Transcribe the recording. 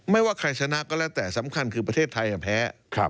ว่าใครชนะก็แล้วแต่สำคัญคือประเทศไทยแพ้